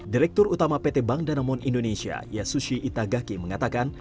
direktur utama pt bank danamon indonesia yasushi itagaki mengatakan